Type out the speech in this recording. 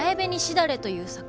だれという桜。